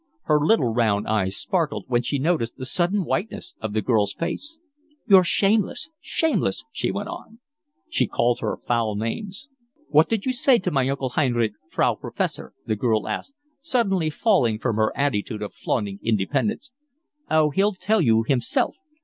Her little round eyes sparkled when she noticed the sudden whiteness of the girl's face. "You're shameless. Shameless," she went on. She called her foul names. "What did you say to my uncle Heinrich, Frau Professor?" the girl asked, suddenly falling from her attitude of flaunting independence. "Oh, he'll tell you himself.